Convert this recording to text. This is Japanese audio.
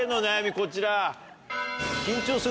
こちら。